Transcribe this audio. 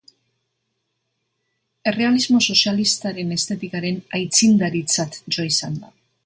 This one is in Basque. Errealismo sozialistaren estetikaren aitzindaritzat jo izan da.